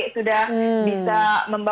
sudah bisa membawa nama baik warga mereka